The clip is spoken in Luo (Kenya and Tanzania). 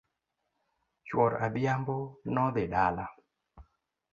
Chuor adhiambo nodhi dala